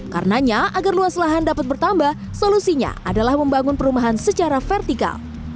karenanya agar luas lahan dapat bertambah solusinya adalah membangun perumahan secara vertikal